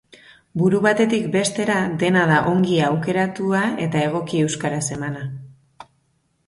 Buru batetik bestera, dena da ongi aukeratua eta egoki euskaraz emana.